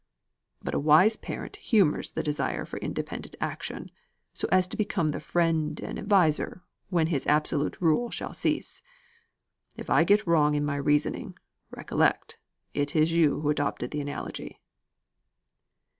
But a wise parent humours the desire for independent action, so as to become the friend and adviser when his absolute rule shall cease. If I get wrong in my reasoning, recollect, it is you who adopted the analogy."